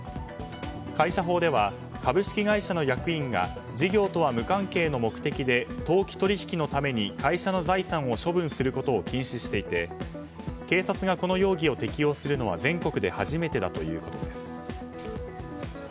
会社法では、株式会社の役員が事業とは無関係の目的で投機取引のために会社の財産を処分することを禁止していて警察がこの容疑を適用するのは全国で初めてだということです。